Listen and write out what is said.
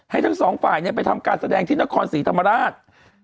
ทั้งสองฝ่ายไปทำการแสดงที่นครศรีธรรมราช